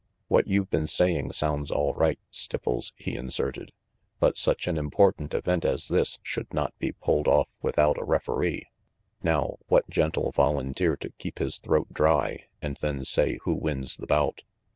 "What you've been saying sounds all right, Stipples," he inserted, "but such an important event as this should not be pulled off without a referee. Now, what gent'll volunteer to keep his throat dry and then say who wins the bout?"